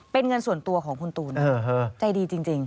เป็นเงินส่วนตัวของคุณตูนใจดีจริง